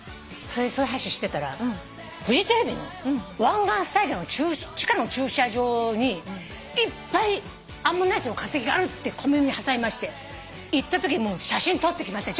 それでそういう話してたらフジテレビの湾岸スタジオの地下の駐車場にいっぱいアンモナイトの化石があるって小耳に挟みまして行ったとき写真撮ってきました。